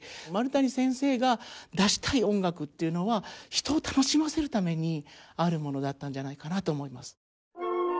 丸谷先生が出したい音楽というのは人を楽しませるためにあるものだったんじゃないかなと思います。